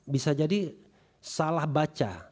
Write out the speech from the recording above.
bisa jadi salah baca